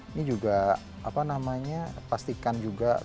ini juga apa namanya pastikan juga